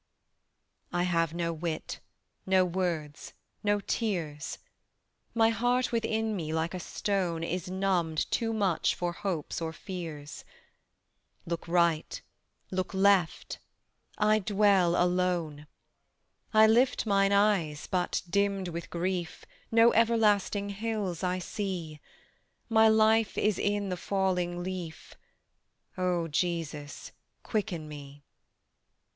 I have no wit, no words, no tears; My heart within me like a stone Is numbed too much for hopes or fears; Look right, look left, I dwell alone; I lift mine eyes, but dimmed with grief No everlasting hills I see; My life is in the falling leaf: O Jesus, quicken me!